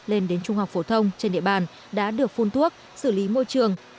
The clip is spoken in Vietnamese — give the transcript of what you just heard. lên đến trung học phổ thông trên địa bàn đã được phun thuốc xử lý môi trường